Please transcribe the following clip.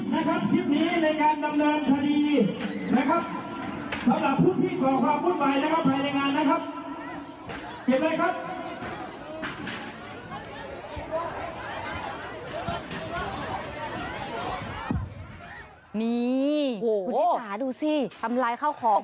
นี่คุณชิสาดูสิทำลายข้าวของ